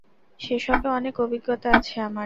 সেসবে অনেক অভিজ্ঞাতা আছে আমার।